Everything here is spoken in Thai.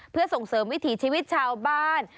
เพื่อส่งเสริมวิถีชีวิตชาวบ้าน